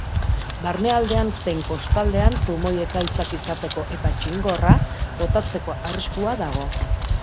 Barnealdean zein kostaldean trumoi-ekaitzak izateko eta txingorra botatzeko arriskua dago.